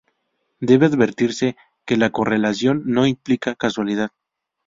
Debe advertirse que la correlación no implica causalidad.